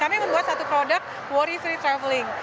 kami membuat satu produk worry street traveling